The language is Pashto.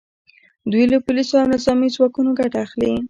دوی له پولیسو او نظامي ځواکونو ګټه اخلي